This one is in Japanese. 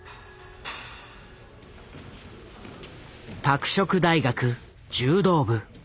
拓殖大学柔道部。